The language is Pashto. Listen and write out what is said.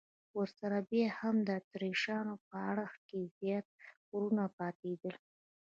ورسره بیا هم د اتریشیانو په اړخ کې زیات غرونه پاتېدل.